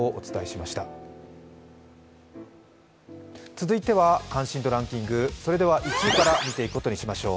続いては関心度ランキング、１位から見ていくことにしましょう。